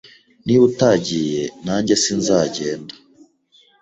Niba utagiye, nanjye sinzagenda.